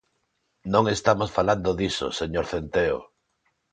Non estamos falando diso, señor Centeo.